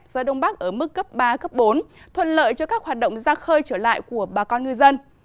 gió đông bắc ở mức cấp ba cấp bốn thuận lợi cho các hoạt động ra khơi trở lại của bà con ngư dân